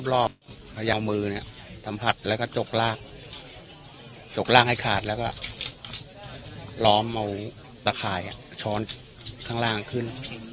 ทำรอบรอบรอบพยาวมือเนี่ยทำผัดแล้วก็จกรากจกรากให้ขาดแล้วก็ล้อมเอาตะข่ายช้อนข้างล่างขึ้น